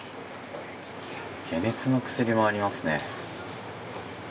解熱の薬もありますね。